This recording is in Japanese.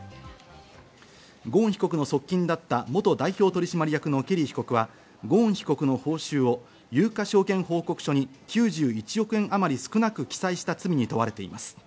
ゴーン被告の側近だった元代表取締役のケリー被告はゴーン被告の報酬を有価証券報告書に９１億円あまり少なく記載した罪に問われています。